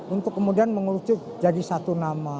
untuk kemudian menguruskan menjadi satu nama